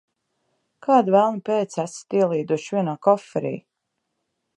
Kāda velna pēc esat ielīduši vienā koferī?